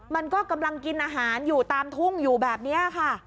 มันก็กำลังกินอาหารอยู่ตามทุ่งอยู่แบบนี้ค่ะ